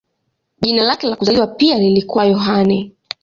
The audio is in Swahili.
Jina lake la kuzaliwa pia lilikuwa Yohane.